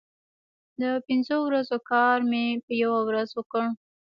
د پنځو ورځو کار مې په یوه ورځ وکړ.